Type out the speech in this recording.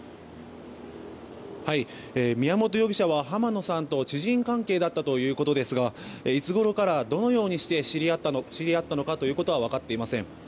宮本容疑者は浜野さんと知人関係だったということですがいつごろから、どのようにして知り合ったのかということは分かっていません。